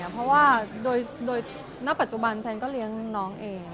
เพราะว่าโดยณปัจจุบันแซนก็เลี้ยงน้องเอง